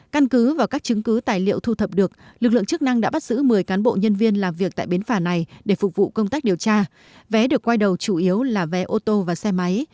căn cứ và các chứng cứ tài liệu thu thập được lực lượng chức năng đã bắt giữ một mươi cán bộ nhân viên làm việc tại bến phà này để phục vụ công tác điều tra vé được quay đầu chủ yếu là vé ô tô và xe máy